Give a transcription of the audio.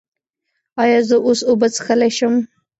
ایا زه اوس اوبه څښلی شم؟